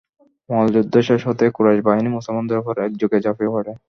মল্লযুদ্ধ শেষ হতেই কুরাইশ বাহিনী মুসলমানদের উপর একযোগে ঝাঁপিয়ে পড়ে।